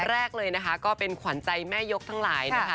แรกเลยนะคะก็เป็นขวัญใจแม่ยกทั้งหลายนะคะ